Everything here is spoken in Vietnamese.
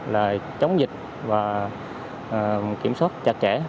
là chống dịch và kiểm soát chặt chẽ